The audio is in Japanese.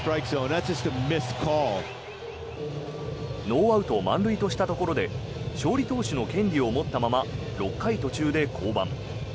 ノーアウト満塁としたところで勝利投手の権利を持ったまま６回途中で降板。